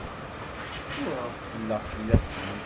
Ur ɣeffleɣ fell-asent.